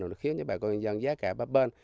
nó khiến những bà con nhân dân giá cả bắt bơn